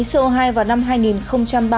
phần lan đặt mục tiêu không phát thải